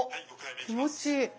気持ちいい。